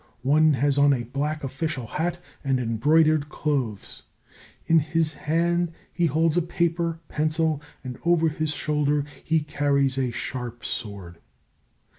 One has on a black official hat and embroidered clothes; in his hand he holds a paper pencil, and over his shoulder he carries a sharp sword.